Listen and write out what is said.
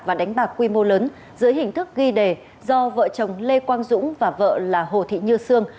và đánh bạc quy mô lớn dưới hình thức ghi đề do vợ chồng lê quang dũng và vợ là hồ thị như sương